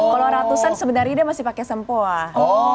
kalau ratusan sebenarnya dia masih pakai sempoah